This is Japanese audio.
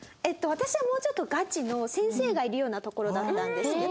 私はもうちょっとガチの先生がいるような所だったんですけど。